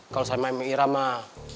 kalau saya sama irah mah